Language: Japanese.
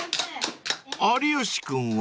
［有吉君は？］